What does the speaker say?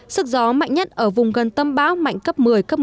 sức gió mạnh nhất ở vùng gần tâm bão mạnh cấp một mươi cấp một mươi một